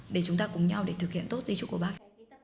để chúng ta cùng nhau để thực hiện tốt di trúc của bác